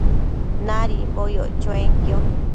Nadimbo yoc chuenquio